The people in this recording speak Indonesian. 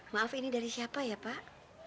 maaf ini dari siapa ya pak